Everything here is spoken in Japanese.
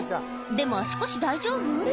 でも足腰大丈夫？